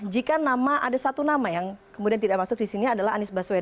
jika ada satu nama yang kemudian tidak masuk di sini adalah anies baswedan